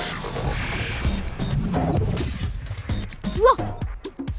うわっ！